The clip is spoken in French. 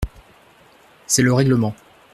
C’est le règlement.